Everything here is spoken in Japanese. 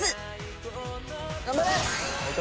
頑張れ！